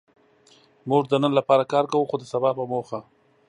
موږ د نن لپاره کار کوو؛ خو د سبا په موخه.